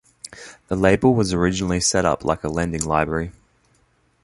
The label was originally set up like a lending library.